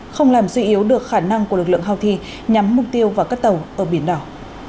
không làm duy yếu được khả năng của lực lượng houthi nhắm mục tiêu vào các tàu ở biển đỏ